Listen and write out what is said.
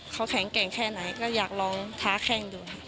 เขาแข็งแกร่งแค่ไหนก็อยากลองท้าแข้งดูค่ะ